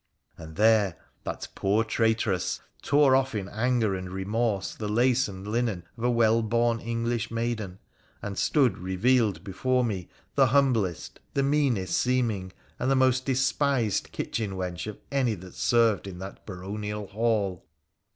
And there that poor traitress tore off in anger and remorse the lace and linen of a well born English maiden, and stood revealed before me the humblest, the meanest seem ing, and the most despised kitchen wench of any that served in that baronial hall